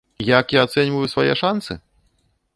Як я ацэньваю свае шанцы?